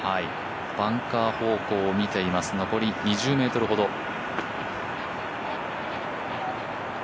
バンカー方向を見ています、残り２０ｍほど。